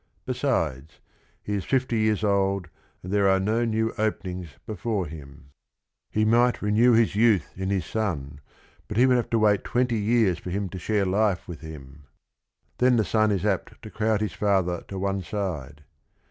Besides, he is fifty years old and there are no new openings before him. He might 186 THE RING AND THE BOOK renew his youth in his son, but he would have to wait twenty years for him to share life with him; and then the son is apt to crowd his father to one side.